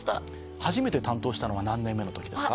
初めて担当したのは何年目の時ですか？